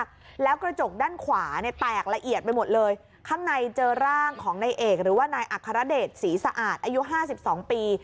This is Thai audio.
ของนายเอกหรือว่านายอัครเดชศรีสะอาดอายุห้าสิบสองปี